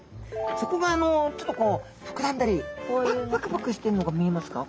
そこがちょっとこう膨らんだりパクパクしてるのが見えますか？